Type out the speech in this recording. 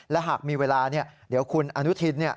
และหากมีเวลาเดี๋ยวคุณอนุทิน